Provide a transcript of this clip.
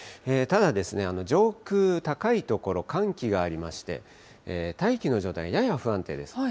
ただ、上空高い所、寒気がありまして、大気の状態、やや不安定です。